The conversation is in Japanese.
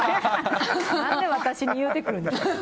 何で私に言うてくるの？